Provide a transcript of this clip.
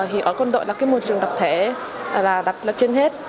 hiệu ứng quân đội là cái môi trường tập thể là đặt trên hết